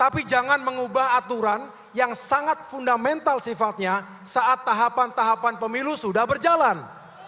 tapi jangan mengubah aturan yang sangat fundamental sifatnya saat tahapan tahapan pemilu sudah berjalan